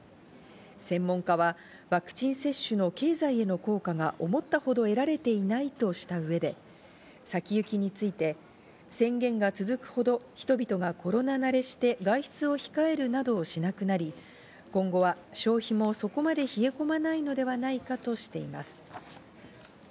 専門家はワクチン接種の経済への効果が思ったほど得られていないとした上で、先行きについて宣言が続くほど人々がコロナ慣れして外出を控えるなどをしなくなり、今後は消費もそこまで冷え込まないのではないかとしています。